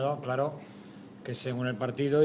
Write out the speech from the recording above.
dan menurut kesempatan